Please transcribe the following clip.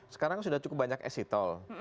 sekarang sudah cukup banyak exit tol